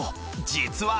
実は